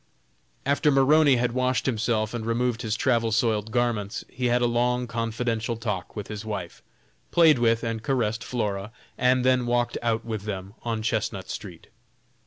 After Maroney had washed himself and removed his travel soiled garments, he had a long confidential talk with his wife, played with and caressed Flora, and then walked out with them on Chestnut street.